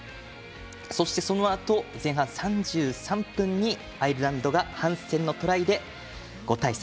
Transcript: そして、そのあと前半３３分でアイルランドがハンセンのトライで５対３。